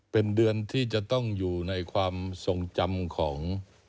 เป็นเดือนที่จะต้องอยู่ในความทรงจำของ